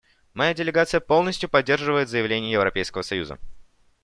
Моя делегация полностью поддерживает заявление Европейского союза.